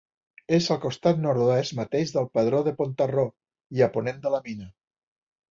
És al costat nord-oest mateix del Pedró de Pontarró i a ponent de la Mina.